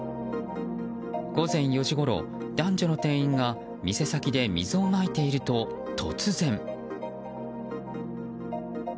午前４時ごろ、男女の店員が店先で水をまいていると突然。